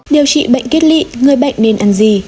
điều trị bệnh kết lị người bệnh nên ăn gì